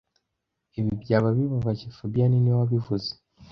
Ibi byaba bibabaje fabien niwe wabivuze